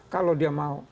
kalau dia mau